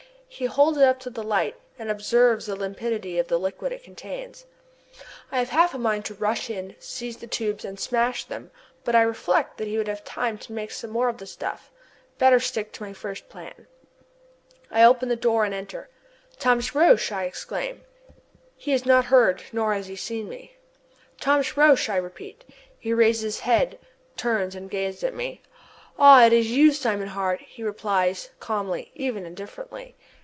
He holds it up to the light, and observes the limpidity of the liquid it contains. I have half a mind to rush in, seize the tubes and smash them, but I reflect that he would have time to make some more of the stuff. Better stick to my first plan. I push the door open and enter. "Thomas Roch!" I exclaim. He has not heard, nor has he seen me. "Thomas Roch!" I repeat. He raises his head, turns and gazes at me. "Ah! it is you, Simon Hart!" he replies calmly, even indifferently.